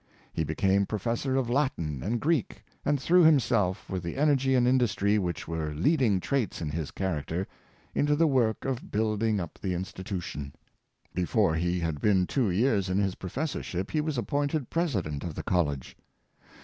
H,e became Professor of Latin and Greek, and threw himself, with the energy and industry which were leading traits in his character, into the work of build ing up the institution. Before he had been two years in his professorship he was appointed President of the college.